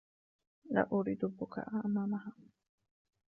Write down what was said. لا أريد البكاء أمامها.